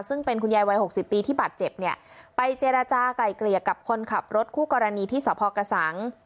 ซึ่งเป็นคุณยายวัย๖๐ปีที่บาดเจ็บเนี่ยไปเจรจากลายเกลี่ยกับคนขับรถคู่กรณีที่สพกระสัง